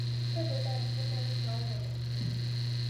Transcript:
تۆ دەزانیت من مەبەستم ئەوە نەبوو.